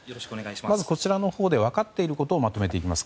まずこちらのほうで分かっていることをまとめていきます。